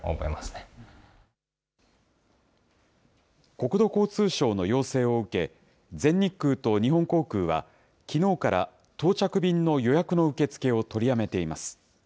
国土交通省の要請を受け、全日空と日本航空は、きのうから、到着便の予約の受け付けを取りやめています。